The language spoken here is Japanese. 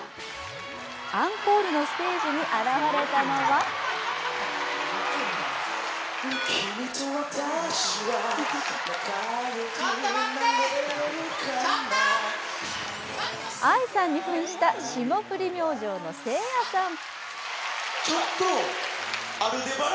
アンコールのステージに現れたのはＡＩさんに扮した霜降り明星のせいやさん。